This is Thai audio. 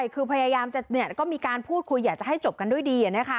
คือพยายามก็มีการพูดคุยอยากจะให้จบกันด้วยดี